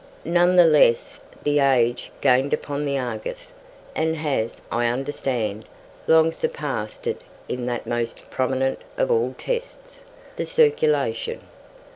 None the less "The Age" gained upon "The Argus", and has, I understand, long surpassed it in that most prominent of all tests, the circulation.